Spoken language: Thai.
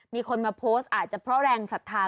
มีคนมาโพสต์อาจจะเพราะแรงศรัทธา